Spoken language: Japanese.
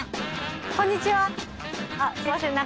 こんにちは！